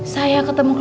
saya ketemu clara